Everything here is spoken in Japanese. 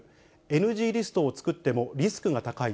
ＮＧリストを作ってもリスクが高い。